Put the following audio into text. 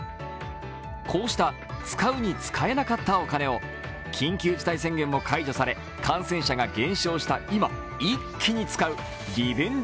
こうした、使うに使えなかったお金を緊急事態宣言も解除され感染者が減少した今、一気に使うリベンジ